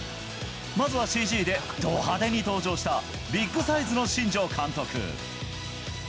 まずはＣＧで、ド派手に登場したビッグサイズの新庄監督。